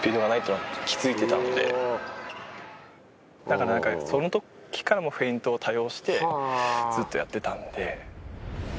だからその時からフェイントを多用してずっとやってたんで。